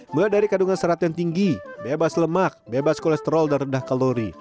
mulai dari kandungan serat yang tinggi bebas lemak bebas kolesterol dan rendah kalori